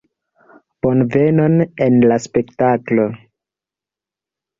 Bonvenon en la spektaklo!